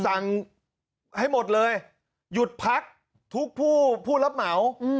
สั่งให้หมดเลยหยุดพักทุกผู้ผู้รับเหมา